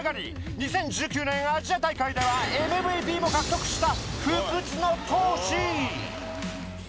２０１９年アジア大会ではＭＶＰも獲得した。